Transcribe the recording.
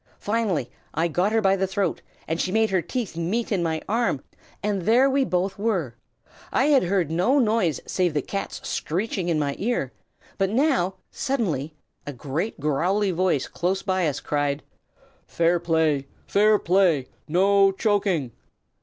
Finally I got her by the throat, and she made her teeth meet in my arm, and there we both were. I had heard no noise save the cat's screeching in my ear; but now, suddenly, a great growly voice, close beside us, cried, "'Fair play! fair play! no choking!'